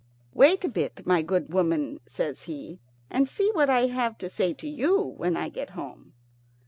"Wait a bit, my good woman," says he, "and see what I have to say to you when I get home."